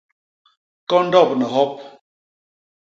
Kondop ni hop.